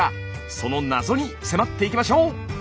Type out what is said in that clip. その謎に迫っていきましょう！